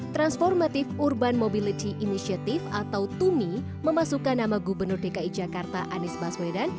transformative urban mobility initiative atau tumi memasukkan nama gubernur dki jakarta anies baswedan